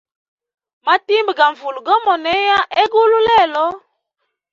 Matimba ga nvula go monea hegulu lelo.